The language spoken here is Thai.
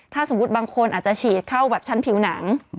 ถ้าสมมุติบางคนอาจจะฉีดเข้าแบบชั้นผิวหนัง